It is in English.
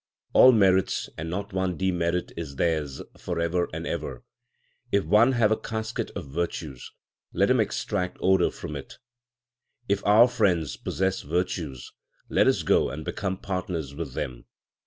All merits and not one demerit is theirs for ever and ever. If one have a casket of virtues, let him extract odour from it. If our friends possess virtues, let us go and become partners with them.